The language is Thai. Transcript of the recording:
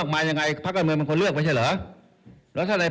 การการเรียนความภาพ